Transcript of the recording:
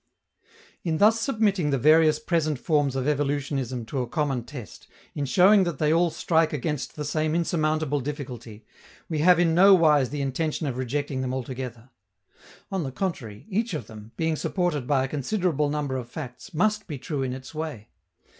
In thus submitting the various present forms of evolutionism to a common test, in showing that they all strike against the same insurmountable difficulty, we have in no wise the intention of rejecting them altogether. On the contrary, each of them, being supported by a considerable number of facts, must be true in its way.